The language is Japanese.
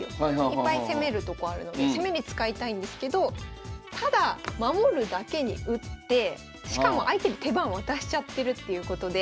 いっぱい攻めるとこあるので攻めに使いたいんですけどただ守るだけに打ってしかも相手に手番渡しちゃってるっていうことで。